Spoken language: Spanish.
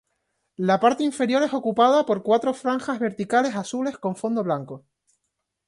La parte inferior es ocupada por cuatro franjas verticales azules con fondo blanco.